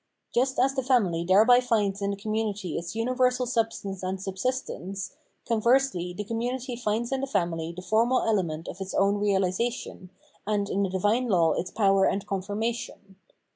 Just as the family thereby finds in the commumty its universal substance and subsistence, conversely the commumty finds in the family the formal element of its own reahsa tion, and in the divine law its power and confirmation.